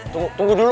tunggu tunggu dulu